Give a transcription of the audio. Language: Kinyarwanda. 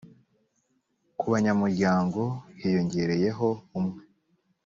kubanyamuryango hiyongereyeho umwe .